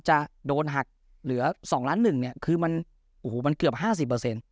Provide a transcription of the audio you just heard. จะโดนหักเหลือ๒ล้านหนึ่งเนี่ยคือมันโอ้โหมันเกือบห้าสิบเปอร์เซ็นต